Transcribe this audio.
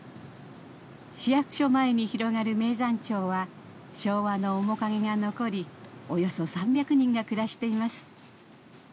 市役所前に広がる名山町は昭和の面影が残りおよそ３００人が暮らしています。